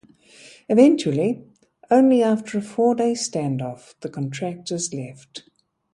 Eventually, only after a four-day stand-off, the contractors left.